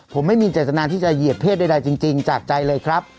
ผมไม่มีเจตนาที่จะเหยียบเพศใดจริงจากใจเลยครับ